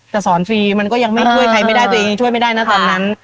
แต่สอนฟรีมันก็ยังไม่ช่วยใครไม่ได้ตัวเองช่วยไม่ได้นะตอนนั้น